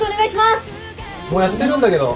もうやってるんだけど。